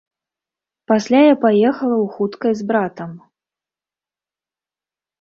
Пасля я паехала ў хуткай з братам.